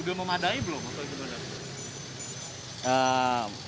udah memadai belum